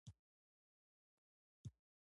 دلته یو جالب کار ته زما پام شو.